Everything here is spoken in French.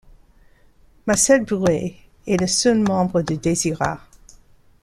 Marcel Breuer est le seul membre de Desîhra.